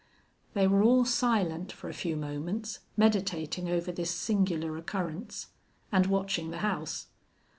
They were all silent for a few moments, meditating over this singular occurrence, and watching the house.